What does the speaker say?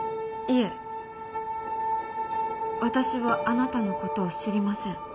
いえ私はあなたのことを知りません。